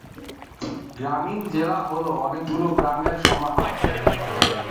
গ্রামীণ জেলা হল অনেকগুলি গ্রামের সমাহার।